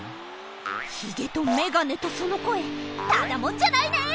ヒゲとメガネとそのこえただもんじゃないね！